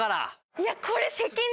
いやこれ。